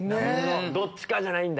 どっちかじゃないんだ。